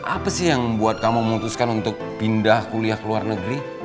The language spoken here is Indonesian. apa sih yang membuat kamu memutuskan untuk pindah kuliah ke luar negeri